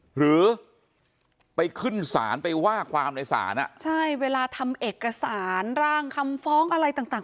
หรือไปขึ้นศาลไปว่าความในศาลอ่ะใช่เวลาทำเอกสารร่างคำฟ้องอะไรต่าง